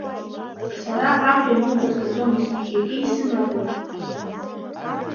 Сара абџьар ныҟәызгаӡом, иахьагьы исымаӡам.